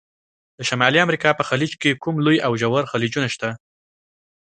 د شمالي امریکا په خلیج کې کوم لوی او ژور خلیجونه شته؟